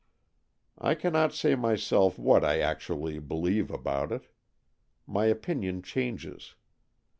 I cannot say myself what I actually believe about it. My opinion changes.